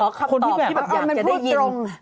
พอคำตอบที่แบบอยากจะได้ยิน